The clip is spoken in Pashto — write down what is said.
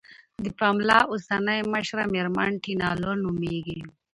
د پملا اوسنۍ مشره میرمن ټینا لو نوميږي.